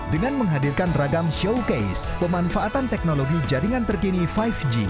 dengan menghadirkan ragam showcase pemanfaatan teknologi jaringan terkini lima g